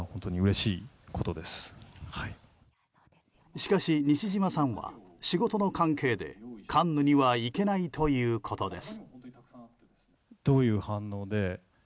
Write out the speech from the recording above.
しかし、西島さんは仕事の関係でカンヌには行けないということです。